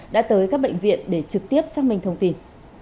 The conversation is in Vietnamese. đã tới các bệnh viện để trực tiếp xác minh thông tin